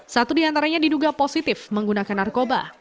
satu diantaranya diduga positif menggunakan narkoba